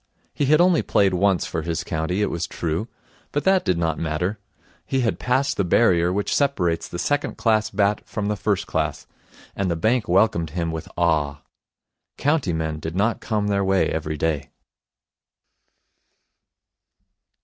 He had only played once for his county, it was true, but that did not matter. He had passed the barrier which separates the second class bat from the first class, and the bank welcomed him with awe. County men did not come their way every day.